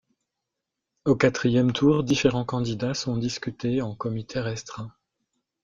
Au quatrième tour, différents candidats sont discutés en comités restreints.